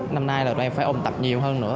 năm nay là em phải ôn tập nhiều hơn nữa